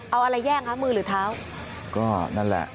เอาอะไรแย่งมือหรือเท้า